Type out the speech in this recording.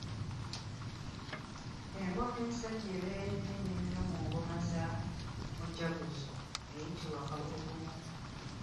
Engoma ensajja ebeera ennene ennyo mu ngoma za mujaguzo eyitibwa Kawulugumo.